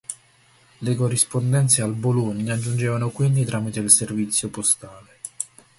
Le corrispondenze al "Bologna" giungevano quindi tramite il servizio postale.